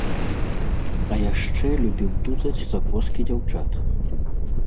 А яшчэ любіў тузаць за коскі дзяўчат.